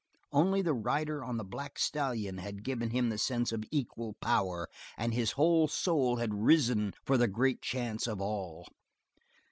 Only the rider of the black stallion had given him the sense of equal power, and his whole soul had risen for the great chance of All.